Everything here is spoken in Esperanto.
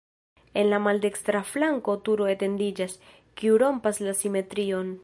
En la maldekstra flanko turo etendiĝas, kiu rompas la simetrion.